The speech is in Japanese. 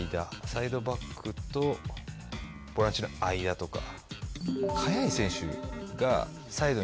サイドバックとボランチの間とか。